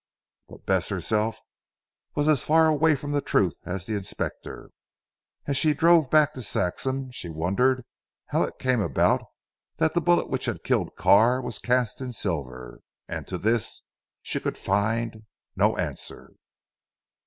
But Bess herself was as far away from the truth as the Inspector. As she drove back to Saxham, she wondered how it came about that the bullet which had killed Carr was cast in silver, and to this she could find no answer.